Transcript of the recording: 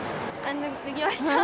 脱ぎました。